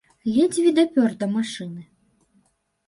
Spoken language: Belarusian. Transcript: Ледзьве дапёр да машыны!